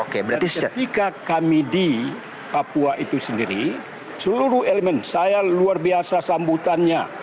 ketika kami di papua itu sendiri seluruh elemen saya luar biasa sambutannya